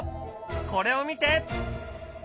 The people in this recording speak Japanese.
これを見て！